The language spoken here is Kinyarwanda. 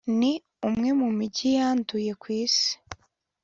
ni umwe mu mijyi yanduye ku isi